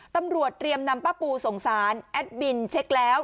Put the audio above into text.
ตำรวจเตรียมนำป้าปูส่งสารแอดมินเช็คแล้ว